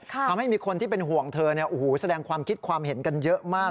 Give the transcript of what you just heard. ทำให้มีคนที่เป็นห่วงเธอแสดงความคิดความเห็นกันเยอะมาก